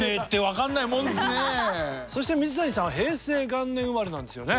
そして水谷さんは平成元年生まれなんですよね。